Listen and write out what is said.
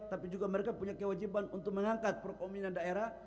tapi juga mereka punya kewajiban untuk mengangkat perkomina daerah